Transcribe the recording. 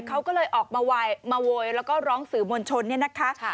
เขาก็เลยออกมาโวยแล้วก็ร้องสื่อมวลชนเนี่ยนะคะ